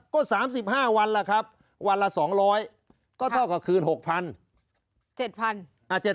ก็๓๕วันล่ะครับวันละ๒๐๐ก็เท่ากับคืน๖๐๐๐บาท